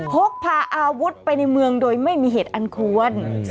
พกพาอาวุธไปในเมืองโดยไม่มีเหตุอันควร